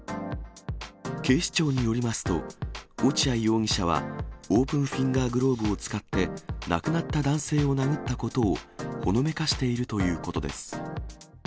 警視庁によりますと、落合容疑者はオープンフィンガーグローブを使って、亡くなった男性を殴ったことをほのめかしているということです。